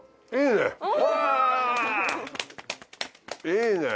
いいね！